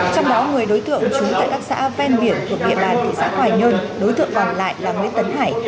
trong đó người đối tượng trú tại các xã ven biển của địa bàn thị xã hoài nhơn đối tượng còn lại là nguyễn tấn hải